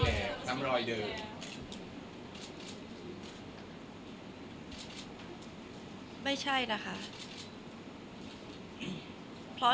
คนเราถ้าใช้ชีวิตมาจนถึงอายุขนาดนี้แล้วค่ะ